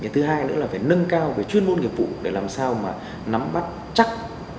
thứ hai nữa là phải nâng cao về chuyên môn nghiệp vụ để làm sao mà nắm bắt chắc